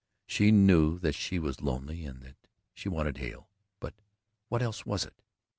She knew that she was lonely and that she wanted Hale but what else was it?